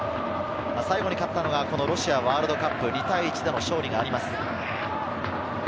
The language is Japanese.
最後に勝ったのがロシアワールドカップ、２対１での勝利があります。